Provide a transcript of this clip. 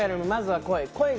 まずは恋。